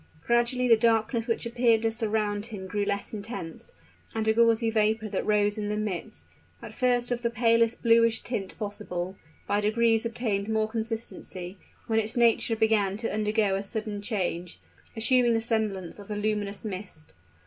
Gradually the darkness which appeared to surround him grew less intense; and a gauzy vapor that rose in the midst, at first of the palest bluish tint possible, by degrees obtained more consistency, when its nature began to undergo a sudden change, assuming the semblance of a luminous mist.